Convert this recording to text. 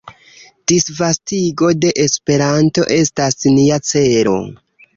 Disvastigo de Esperanto estas nia celo.